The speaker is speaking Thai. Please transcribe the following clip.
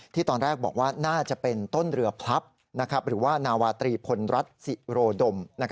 ตอนแรกบอกว่าน่าจะเป็นต้นเรือพลับหรือว่านาวาตรีพลรัฐศิโรดม